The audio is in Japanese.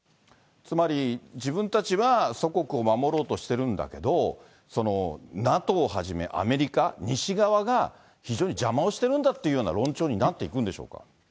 つまり、自分たちは祖国を守ろうとしてるんだけれども、ＮＡＴＯをはじめアメリカ、西側が、非常に邪魔をしてるんだというような論調になっていくんでしょうか。